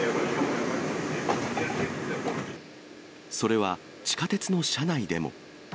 それは、地下鉄の車内でも。